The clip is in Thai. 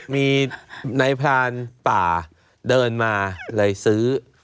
มีนายพรานป่าเดินมาเลยซื้อ